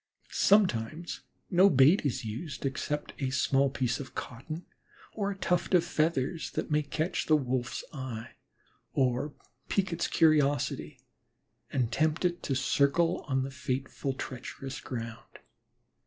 Sometimes no bait is used except a little piece of cotton or a tuft of feathers that may catch the Wolf's eye or pique its curiosity and tempt it to circle on the fateful, treacherous ground.